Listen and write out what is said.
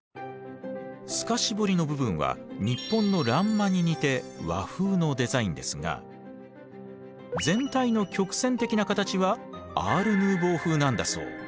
透かし彫りの部分は日本の欄間に似て和風のデザインですが全体の曲線的な形はアール・ヌーヴォー風なんだそう。